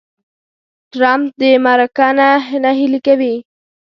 ټرمپ دې مرکه نه نهیلې کوي.